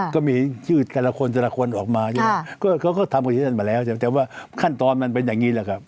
ก็มีชื่อแต่ละคนแต่ละคนออกมาใช่ไหมก็เขาก็ทำกับที่ท่านมาแล้วแต่ว่าขั้นตอนมันเป็นอย่างนี้แหละครับ